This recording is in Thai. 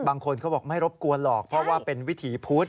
บางคนเขาบอกไม่รบกวนหรอกเพราะว่าเป็นวิถีพุธ